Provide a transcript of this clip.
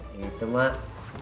yang itu mak